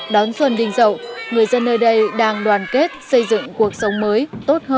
đón xuân đình dậu người dân nơi đây đang đoàn kết xây dựng cuộc sống mới tốt hơn no đủ hơn